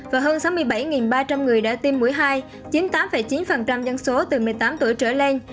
và hơn sáu mươi bảy ba trăm linh người đã tiêm mũi hai chiếm tám chín dân số từ một mươi tám tuổi trở lên